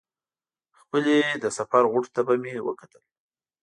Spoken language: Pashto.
خپلې د سفر غوټو ته به مې وکتل.